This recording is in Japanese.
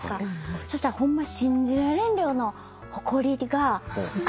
そしたらホンマ信じられん量のほこりが。